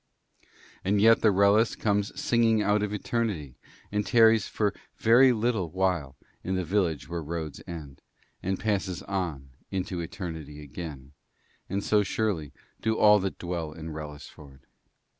And yet the Wrellis comes singing out of eternity, and tarries for a very little while in the village where roads end, and passes on into eternity again; and so surely do all that dwell in Wrellisford.